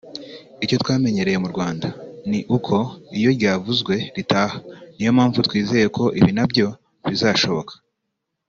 Icyo twamenyereye mu Rwanda ni uko iyo ryavuzwe ritaha ni yo mpamvu twizeye ko ibi na byo bizashoboka